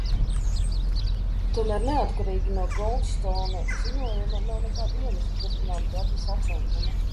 Tomēr neatkarīgi no Goldstone ziņojuma nav nekāda iemesla turpināt Gazas aplenkumu.